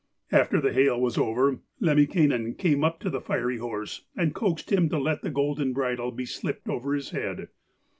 After the hail was over, Lemminkainen came up to the fiery horse and coaxed him to let the golden bridle be slipped over his head.